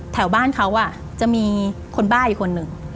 แถวบ้านเขาจะมีคนบ้าอีกคนหนึ่ง